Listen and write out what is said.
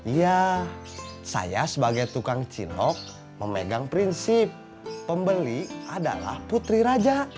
ya saya sebagai tukang cinhok memegang prinsip pembeli adalah putri raja